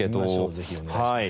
ぜひお願いします。